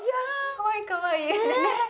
かわいいかわいい。